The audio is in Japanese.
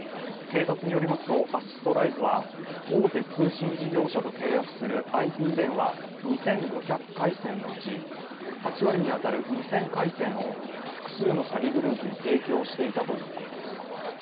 警察に寄りますと、アシストライズは、大手通信事業者と契約するＩＰ電話２５００回線のうち８割に当たる２０００回線を複数の詐欺グループに提供していたということです。